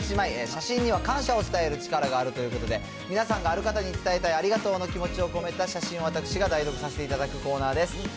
写真には感謝を伝える力があるということで、皆さんがある方に伝えたいありがとうの気持ちを込めた写真を私が代読させていただくコーナーです。